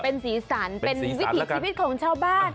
เป็นสีสันเป็นวิถีชีวิตของชาวบ้าน